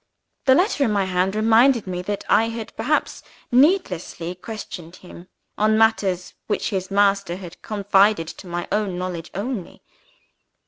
The letter in my hand reminded me that I had perhaps needlessly questioned him on matters which his master had confided to my own knowledge only.